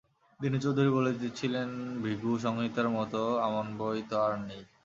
দীনু চৌধুরী বলিতেছিলেন-ভৃগু-সংহিতার মতো আমন বই তো আর নেই!